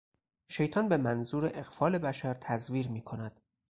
شیطان به منظور اغفال بشر تزویر میکند.